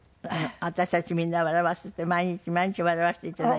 私たちみんな笑わせて毎日毎日笑わせていただいてね。